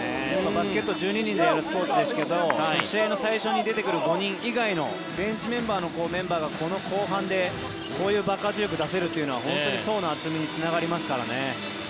バスケは１２人でやるスポーツですけど試合の最初に出てくる５人以外のベンチメンバーがこの後半でこういう爆発力を出せるのは本当に層の厚みにつながりますからね。